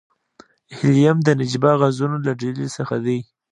هیلیم د نجیبه غازونو له ډلې څخه دی.